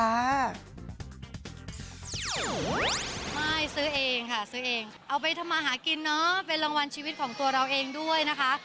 ไม่ซื้อเองค่ะซื้อเองเอาไปทำมาหากินเนอะเป็นรางวัลชีวิตของตัวเราเองด้วยนะคะ